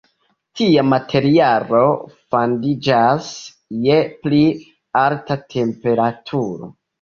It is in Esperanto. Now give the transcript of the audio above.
Tia materialo fandiĝas je pli alta temperaturo.